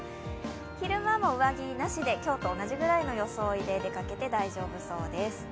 昼間も上着なしで今日と同じくらいの装いで出かけても大丈夫そうです。